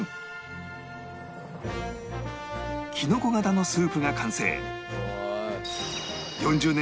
きのこ形のスープが完成